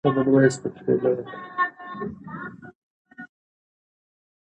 لوستې میندې د ماشومانو د روغتیا پوښتنې څاري.